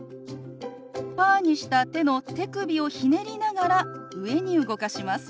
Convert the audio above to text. パーにした手の手首をひねりながら上に動かします。